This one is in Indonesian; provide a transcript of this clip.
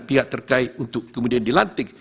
pihak terkait untuk kemudian dilantik